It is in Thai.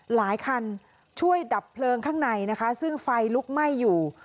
หลายคันช่วยดับเพลิงข้างในนะคะซึ่งไฟลุกไหม้อยู่